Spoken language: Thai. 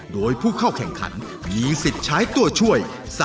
โดยผู้เข้าแข่งขันมีสิทธิ์ใช้ตัวช่วย